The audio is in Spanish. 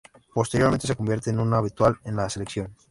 Posteriormente se convierte en un habitual en la selección.